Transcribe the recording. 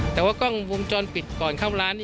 แต่ว่ากล้องวงจรปิดก่อนเข้าร้าน